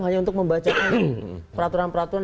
hanya untuk membacakan peraturan peraturan